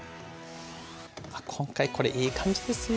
あっ今回これいい感じですよ。